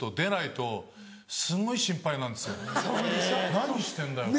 何してんだよって。